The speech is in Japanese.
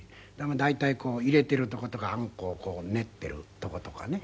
大体こう入れてるとことかあんこを練ってるとことかね。